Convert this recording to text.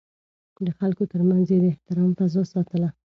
د خلکو ترمنځ يې د احترام فضا ساتله.